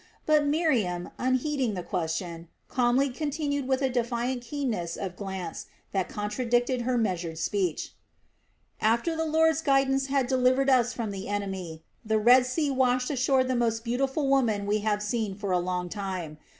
But Miriam, unheeding the question, calmly continued with a defiant keenness of glance that contradicted her measured speech: "After the Lord's guidance had delivered us from the enemy, the Red Sea washed ashore the most beautiful woman we have seen for a long time.